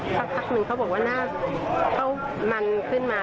สักพักหนึ่งเขาบอกว่าหน้าเข้ามันขึ้นมา